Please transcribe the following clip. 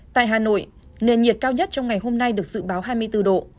tại hà nội nền nhiệt cao nhất trong ngày hôm nay được dự báo hai mươi bốn độ